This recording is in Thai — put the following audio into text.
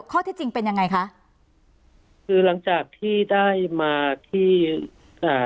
ข้อที่จริงเป็นยังไงคะคือหลังจากที่ได้มาที่อ่า